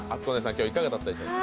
今日、いかがだったでしょうか？